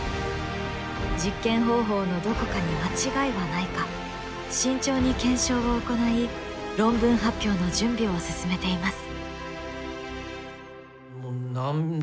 実験方法のどこかに間違いはないか慎重に検証を行い論文発表の準備を進めています。